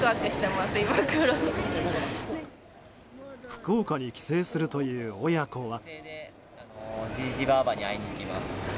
福岡に帰省するという親子は。